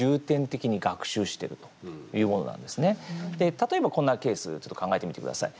例えば、こんなケースちょっと考えてみてください。